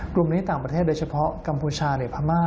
กลุ่มนี้ต่างประเทศโดยเฉพาะกัมพูชาหรือพม่า